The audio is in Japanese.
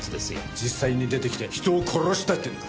実際に出てきて人を殺したっていうのか？